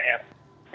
dan juga dpr